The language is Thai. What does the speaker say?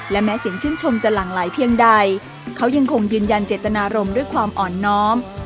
และแม้เสียงชื่นชมจะหลั่งไหลเพียงใดเขายังคงยืนยันเจตนารมณ์ด้วยความอ่อนน้อม